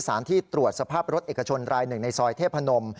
ที่ตรวจสภาพรถเอกชนรายหนึ่งในซอยเทพนม